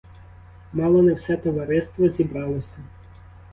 Мало не все товариство зібралося.